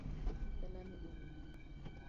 Dala ni orumo .